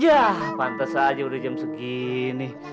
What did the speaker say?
yah pantes aja udah jam segini